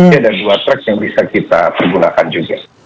jadi ada dua track yang bisa kita pergunakan juga